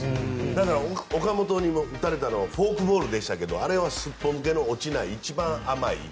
だから岡本に打たれたのはフォークボールでしたけどあれはすっぽ抜けの一番甘い。